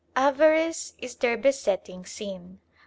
Avarice is their besetting sin.